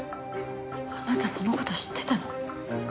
あなたその事知ってたの？